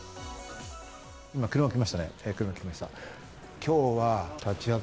今、車が来ましたね。